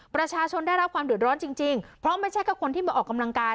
ประชาชนได้รับความเดือดร้อนจริงเพราะไม่ใช่แค่คนที่มาออกกำลังกาย